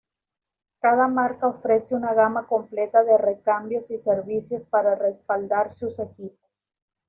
Cada marca ofrece una gama completa de recambios y servicios para respaldar sus equipos.